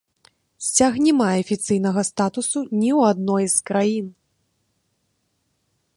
Сцяг не мае афіцыйнага статусу ні ў адной з краін.